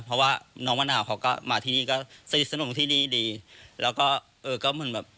เพราะว่าน้องมะนาวเขาก็มาที่นี่ก็สนิทสนมที่นี่ดีแล้วก็เออก็เหมือนแบบ